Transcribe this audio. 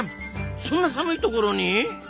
そんな寒いところに！？